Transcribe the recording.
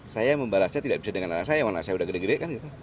saya membalasnya tidak bisa dengan anak saya mana saya sudah gede gede kan gitu